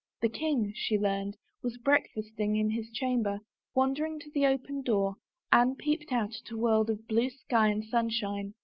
The king, she learned, was breakfasting in his chamber. Wandering to the open door Anne peeped out at a world of blue sky and sunshine.